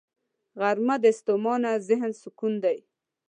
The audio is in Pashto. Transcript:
غرمه د ستومانه ذهن سکون دی